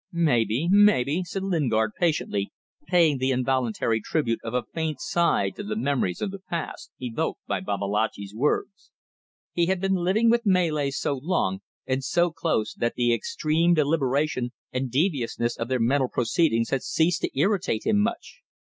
"Maybe, maybe," said Lingard, patiently, paying the involuntary tribute of a faint sigh to the memories of the past evoked by Babalatchi's words. He had been living with Malays so long and so close that the extreme deliberation and deviousness of their mental proceedings had ceased to irritate him much.